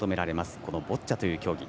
このボッチャという競技。